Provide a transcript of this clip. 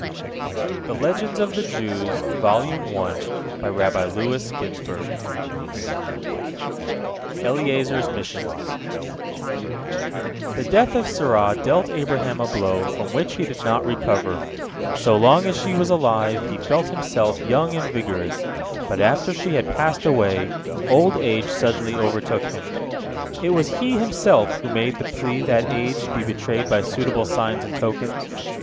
ELIEZER'S MISSION The death of Sarah dealt Abraham a blow from which he did not recover. So long as she was alive, he felt himself young and vigorous, but after she had passed away, old age suddenly overtook him. It was he himself who made the plea that age be betrayed by suitable signs and tokens.